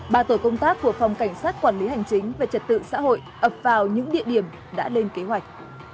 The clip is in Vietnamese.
ba tổ công tác của phòng cảnh sát quản lý hành chính về trật tự xã hội ập vào những địa điểm đã lên kế hoạch